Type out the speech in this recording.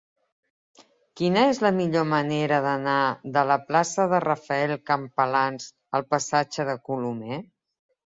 Quina és la millor manera d'anar de la plaça de Rafael Campalans al passatge de Colomer?